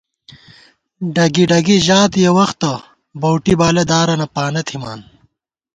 ڈگی ڈُگی ژات یَہ وختہ بَؤٹی بالہ دارَنہ پانہ تھِمان